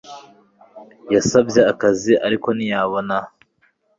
yasabye akazi, ariko ntiyabona.